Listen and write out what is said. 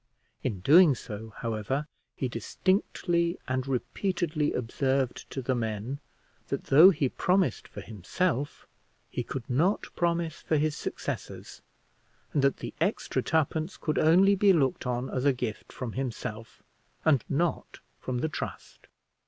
In doing so, however, he distinctly and repeatedly observed to the men, that though he promised for himself, he could not promise for his successors, and that the extra twopence could only be looked on as a gift from himself, and not from the trust.